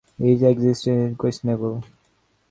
Its existence is questionable.